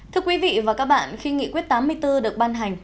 thưa quý vị và các bạn khi nghị quyết tám mươi bốn được ban hành